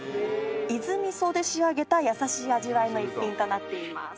伊豆味噌で仕上げたやさしい味わいの一品となっています。